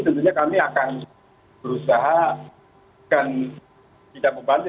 tentunya kami akan berusaha dan tidak membantu